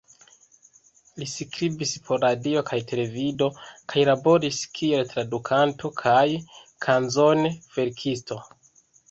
Li skribis por radio kaj televido kaj laboris kiel tradukanto kaj kanzon-verkisto.